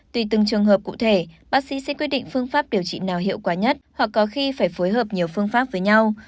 tùy từng trường hợp cụ thể bác sĩ sẽ quyết định phương pháp điều trị nào hiệu quả nhất hoặc có khi phải phối hợp nhiều phương pháp với nhau